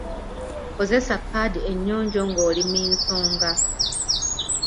Kozesa paadi ennyonjo ng'oli mi nsonga.